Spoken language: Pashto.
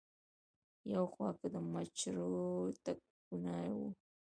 يو خوا کۀ د مچرو ټکونه وو